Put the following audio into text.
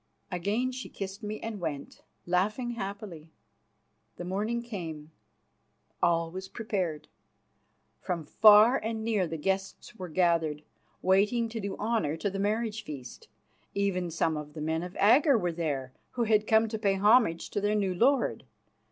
Again she kissed me and went, laughing happily. The morning came. All was prepared. From far and near the guests were gathered, waiting to do honour to the marriage feast. Even some of the men of Agger were there, who had come to pay homage to their new lord.